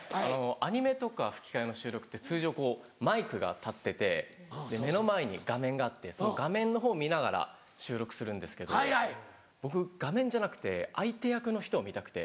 アニメとか吹き替えの収録って通常こうマイクが立ってて目の前に画面があってその画面のほうを見ながら収録するんですけど僕画面じゃなくて相手役の人を見たくて。